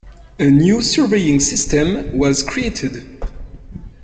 A new surveying system was created.